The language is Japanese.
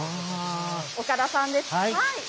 岡田さんです。